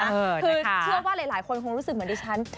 คือเชื่อว่าหลายคนคงรู้สึกเหมือนดิฉัน